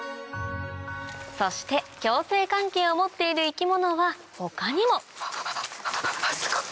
そして共生関係を持っている生き物は他にもすごい！